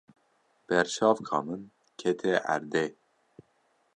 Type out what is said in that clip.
Berçavka min kete erdê.